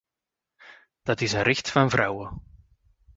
Dat is een recht van vrouwen.